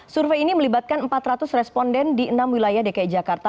survei ini melibatkan empat ratus responden di enam wilayah dki jakarta